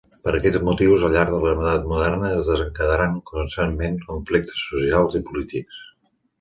Per aquests motius al llarg de l'edat moderna es desencadenaren constantment conflictes socials i polítics.